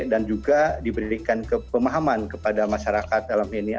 dan juga diberikan kepemahaman kepada masyarakat dalam ini